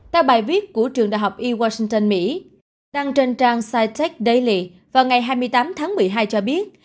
theo bài viết của trường đại học e washington mỹ đăng trên trang scitech daily vào ngày hai mươi tám tháng một mươi hai cho biết